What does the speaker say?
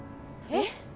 えっ？